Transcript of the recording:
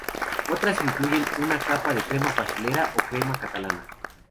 Otras incluyen una capa de crema pastelera o crema catalana.